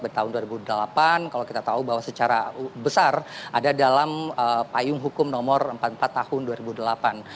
bertahun dua ribu delapan kalau kita tahu bahwa secara besar ada dalam payung hukum nomor empat puluh empat tahun